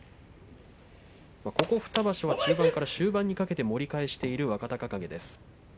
ここ２場所は中盤から終盤にかけて盛り返している若隆景。